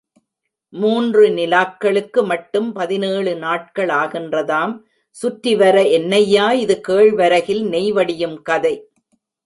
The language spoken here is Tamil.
மூன்று நிலாக்களுக்கு மட்டும் பதினேழு நாட்களாகின்றதாம் சுற்றிவர என்னய்யா இது கேழ்வரகில் நெய் வடியும் கதை!